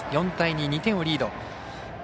４対２、２点をリード。